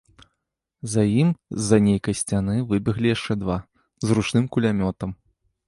За ім з-за нейкай сцяны выбеглі яшчэ два, з ручным кулямётам.